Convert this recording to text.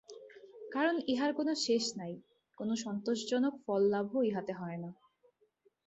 কারণ ইহার কোন শেষ নাই, কোন সন্তোষজনক ফল-লাভও ইহাতে হয় না।